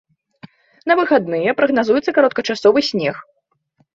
На выхадныя прагназуецца кароткачасовы снег.